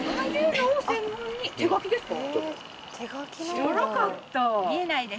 知らなかった。